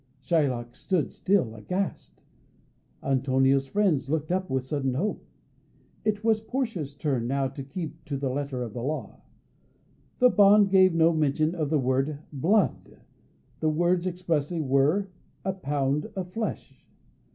Shylock stood still, aghast; Antonio's friends looked up with sudden hope. It was Portia's turn now to keep to the letter of the law. The bond gave no mention of the word "blood"; the words expressly were "a pound of flesh."